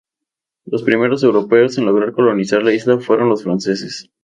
Los primeros europeos en lograr colonizar la isla fueron los franceses.